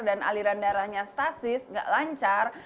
dan aliran darahnya stasis gak lancar